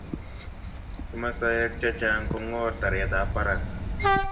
kimastaoek chechang' ko kongor taret ab barak